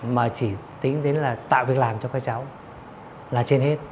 mà chỉ tính đến là tạo việc làm cho các cháu là trên hết